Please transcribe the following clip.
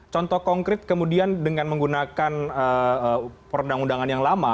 contoh konkret kemudian dengan menggunakan perundang undangan yang lama